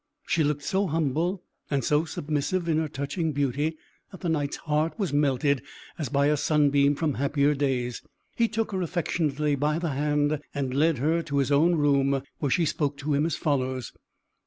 She looked so humble, and so submissive in her touching beauty, that the Knight's heart was melted, as by a sunbeam from happier days. He took her affectionately by the hand, and led her to his own room, where she spoke to him as follows.